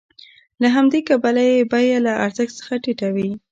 له همدې کبله یې بیه له ارزښت څخه ټیټه وي